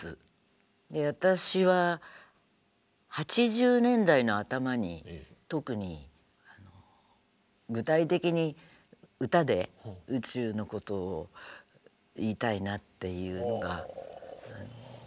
私は８０年代の頭に特に具体的に歌で宇宙のことを言いたいなっていうのがあったんですね。